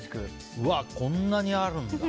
こんなにあるんだ。